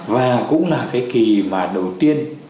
và cũng là cái kỳ mà đầu tiên